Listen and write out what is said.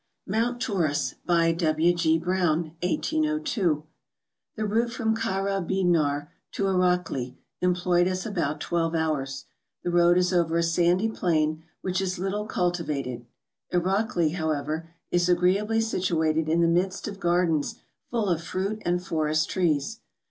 MOUNT TAURUS. BY W. G. BROWNE, 1802. The route from Kara Bignar to Erakli employed us ^about twelve hours ; the road is over a sandy plain, which is little cultivated. Erakli, however, is agreeably situated in the midst of gardens full of fruit and forest trees.